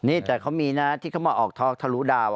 นี่แต่เขามีนะที่เขามาออกท็อกทะลุดาว